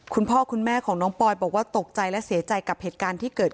คุณพ่อคุณแม่ของน้องปอยบอกว่าตกใจและเสียใจกับเหตุการณ์ที่เกิดขึ้น